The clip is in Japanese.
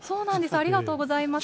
ありがとうございます。